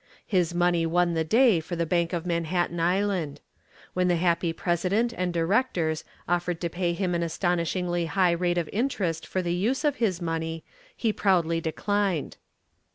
His money won the day for the Bank of Manhattan Island. When the happy president and directors offered to pay him an astonishingly high rate of interest for the use of the money he proudly declined.